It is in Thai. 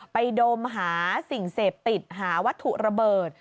ดมหาสิ่งเสพติดหาวัตถุระเบิด